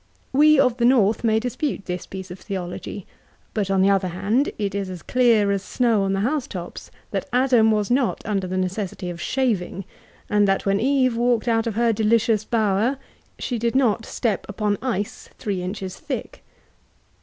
We of the north may dispute this i»ece of theology ; but on the other hand, it is as clear as the snow qicl the house tops, that Adam was not under the necessity of shaving ; and that when Eve walked out of her delicious bower, she did not step upon ice three inches thick.